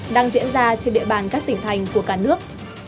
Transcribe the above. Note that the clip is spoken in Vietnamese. đang diễn ra trên địa bàn các tỉnh thành của cả nước